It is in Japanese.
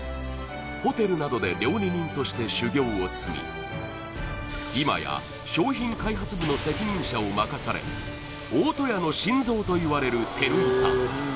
ホテルなどで料理人として修業を積み今や商品開発部の責任者を任され大戸屋の心臓といわれる照井さん